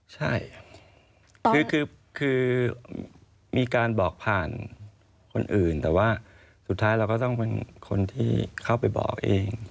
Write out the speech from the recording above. ใช่คือมีการบอกผ่านคนอื่นแต่ว่าสุดท้ายเราก็ต้องเป็นคนที่เข้าไปบอกเอง